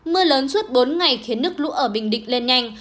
mưa lớn suốt bốn ngày khiến nước lũ ở bình định lên nhanh